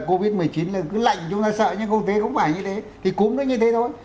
covid một mươi chín là cứ lạnh chúng ta sợ nhưng không phải như thế thì cúm nó như thế thôi